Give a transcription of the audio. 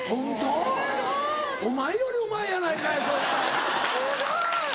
すごい！お前よりうまいやないかいそれ。